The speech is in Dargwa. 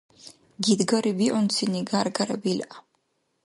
Гидгари бигӀунсини гяргяра билгӀя.